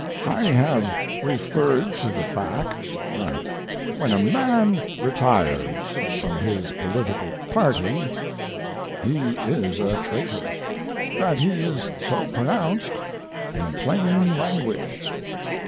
I have referred to the fact that when a man retires from his political party he is a traitor that he is so pronounced in plain language.